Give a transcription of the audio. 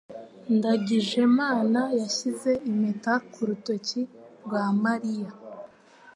Ndangijemana yashyize impeta ku rutoki rwa Mariya.